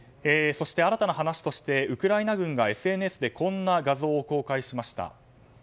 そして、新たな話としてウクライナ軍がＳＮＳでこんな画像を公開しました。